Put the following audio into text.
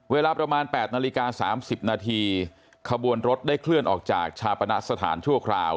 เวลาประมาณ๘นาฬิกา๓๐นาทีขบวนรถได้เคลื่อนออกจากชาปณะสถานชั่วคราว